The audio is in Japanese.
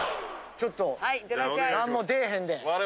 ちょっと何も出ぇへんで。